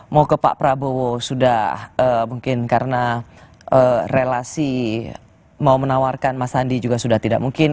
mau ke pak prabowo sudah mungkin karena relasi mau menawarkan mas andi juga sudah tidak mungkin